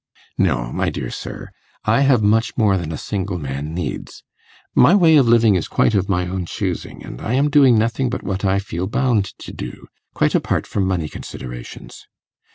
'No, my dear sir. I have much more than a single man needs. My way of living is quite of my own choosing, and I am doing nothing but what I feel bound to do, quite apart from money considerations.